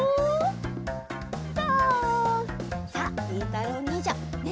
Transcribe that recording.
とう！さありんたろうにんじゃねえ